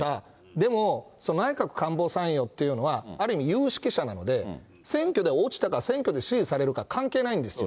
でも内閣官房参与というのは、ある意味、有識者なので、選挙で落ちたか、選挙で支持されるか関係ないんですよ。